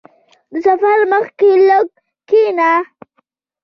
• د سفر مخکې لږ کښېنه.